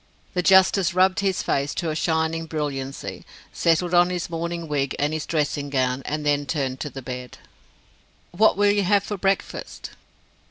The justice rubbed his face to a shining brilliancy, settled on his morning wig and his dressing gown, and then turned to the bed. "What will you have for breakfast?"